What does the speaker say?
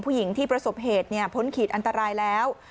ผู้หญิงที่ประสบเหตุพ้นขีดอันตรายแล้ว